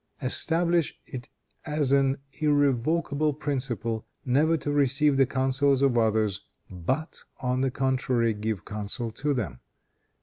Establish it as an irrevocable principle never to receive the counsels of others, but, on the contrary, give counsel to them.